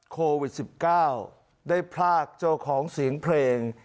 โควิด๑๙ได้พลากเจ้าของเสียงเพลง